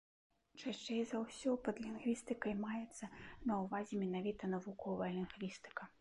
Часцей за ўсё пад лінгвістыкай маецца на ўвазе менавіта навуковая лінгвістыка.